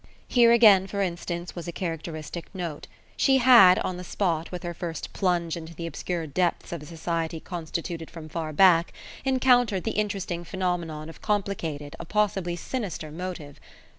Here again for instance was a characteristic note: she had, on the spot, with her first plunge into the obscure depths of a society constituted from far back, encountered the interesting phenomenon of complicated, of possibly sinister motive.